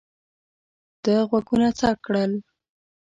ده غوږونه څک کړل.